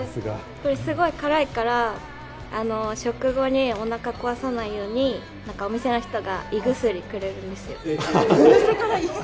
すごい辛いから、食後にお腹壊さないように、お店の人が胃薬くれるんですよ。